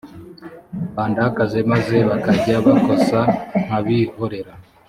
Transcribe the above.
bandakaze maze bakajya bakosa nkabihorera